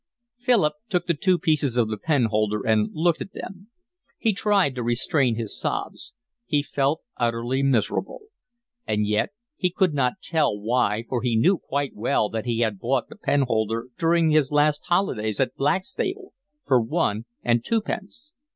Philip took the two pieces of the pen holder and looked at them. He tried to restrain his sobs. He felt utterly miserable. And yet he could not tell why, for he knew quite well that he had bought the pen holder during his last holidays at Blackstable for one and twopence.